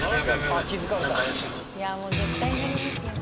いやもう絶対になりますよね。